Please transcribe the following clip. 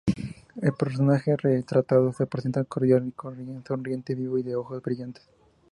El personaje retratado se presenta cordial y sonriente, vivo y de ojos brillantes.